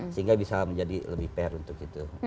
sehingga bisa menjadi lebih fair untuk itu